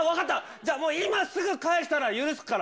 じゃあ、もう今すぐ返したら許すから。